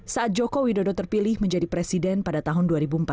saat joko widodo terpilih menjadi presiden pada tahun dua ribu empat belas